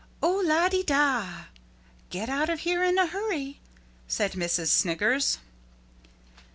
"Oh lah de dah, get out of here in a hurry," said Missus Sniggers.